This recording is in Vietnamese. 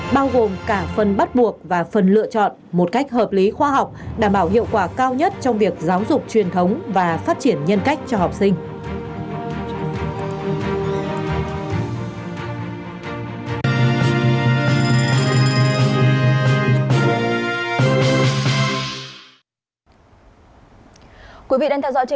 bao gồm cả phần bắt buộc và phần lựa chọn một cách hợp lý khoa học đảm bảo hiệu quả cao nhất trong việc giáo dục truyền thống và phát triển nhân cách cho học sinh